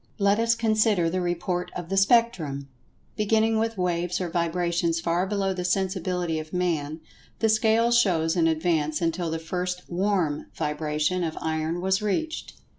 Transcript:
Let us consider the report of the Spectrum. Beginning with waves or vibrations far below the sensibility of Man, the scale shows an advance until the first "warm" vibration of iron[Pg 128] was reached.